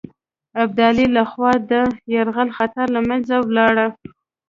ابدالي له خوا د یرغل خطر له منځه ولاړ.